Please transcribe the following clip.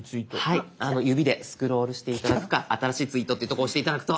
はい指でスクロールして頂くか「新しいツイート」っていうとこ押して頂くと。